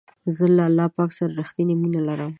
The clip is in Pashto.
زه له الله پاک سره رښتنی مینه لرم.